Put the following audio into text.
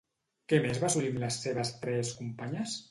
Què més va assolir amb les seves tres companyes?